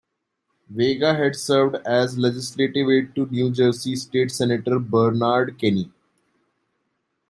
Vega had served as a Legislative Aide to New Jersey State Senator Bernard Kenny.